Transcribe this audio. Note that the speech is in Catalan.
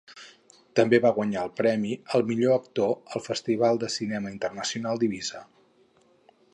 També va guanyar el Premi al Millor Actor al Festival de Cinema Internacional d'Eivissa.